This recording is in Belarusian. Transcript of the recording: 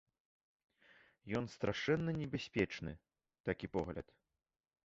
Ён страшэнна небяспечны, такі погляд.